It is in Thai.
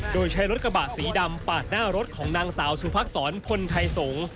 โดยใช้รถกระบะสีดำปาดหน้ารถของนางสาวสุภักษรพลไทยสงศ์